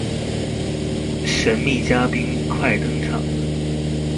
神祕嘉賓快登場了